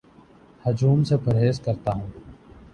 ہجوم سے پرہیز کرتا ہوں